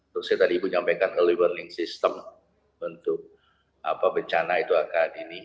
terusnya tadi ibu nyampaikan early warning system untuk bencana itu akan ini